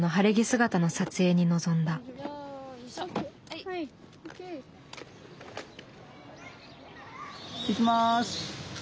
いきます。